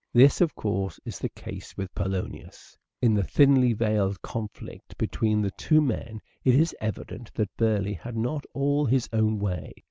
This, of course, is the case with Polonius: In the thinly veiled conflict between the two men it is evident that Burleigh had not all his own way.